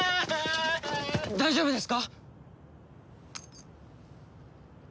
大丈夫ですか？